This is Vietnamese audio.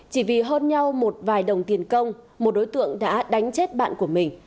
chỉ vì hôn nhau một vài đồng tiền công một đối tượng đã đánh chết bạn của mình